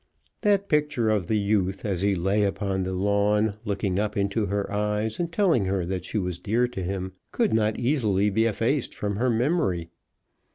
That picture of the youth, as he lay upon the lawn, looking up into her eyes, and telling her that she was dear to him, could not easily be effaced from her memory.